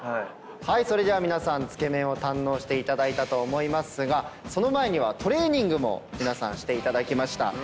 それじゃあ皆さんつけ麺を堪能していただいたと思いますがその前にはトレーニングも皆さんしていただきました。